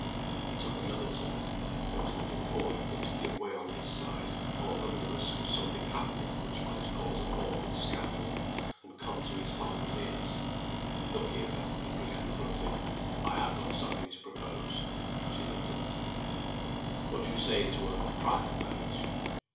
He took another turn. There was nothing for it but to give way on his side, or run the risk of something happening which might cause an awkward scandal, and come to his father's ears. "Look here, Anne," he began, abruptly. "I have got something to propose." She looked up at him. "What do you say to a private marriage?"